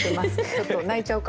ちょっと泣いちゃうかも。